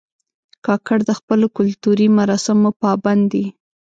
کاکړ د خپلو کلتوري مراسمو پابند دي.